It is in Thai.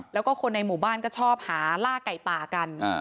แล้วก็คนในหมู่บ้านก็ชอบหาล่าไก่ป่ากัน